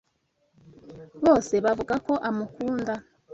Bose Bavuga ko amukunda.